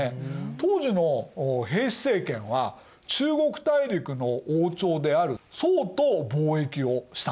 当時の平氏政権は中国大陸の王朝である宋と貿易をしたんですよ。